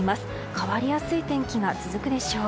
変わりやすい天気が続くでしょう。